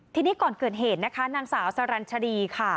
ทีนี้ก่อนเกิดเหตุนะคะนางสาวสรรชดีค่ะ